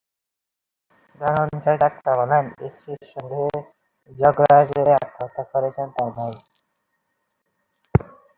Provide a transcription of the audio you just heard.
ধনঞ্জয় চাকমা বলেন, স্ত্রীর সঙ্গে ঝগড়ার জেরে আত্মহত্যা করেছেন তাঁর ভাই।